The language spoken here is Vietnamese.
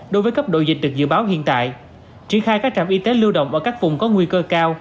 đối với cấp độ dịch được dự báo hiện tại triển khai các trạm y tế lưu động ở các vùng có nguy cơ cao